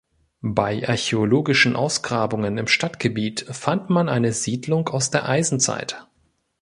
Bei archäologischen Ausgrabungen im Stadtgebiet fand man eine Siedlung aus der Eisenzeit.